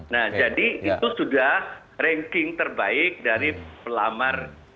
nah jadi itu sudah ranking terbaik dari pelamar